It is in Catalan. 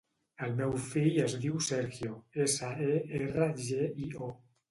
El meu fill es diu Sergio: essa, e, erra, ge, i, o.